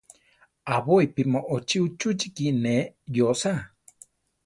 Aʼbóipi moʼochí uchúchiki neʼé yóosa.